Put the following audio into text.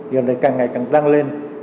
gần đây càng ngày càng tăng lên